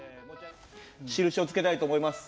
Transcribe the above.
印をつけたいと思います。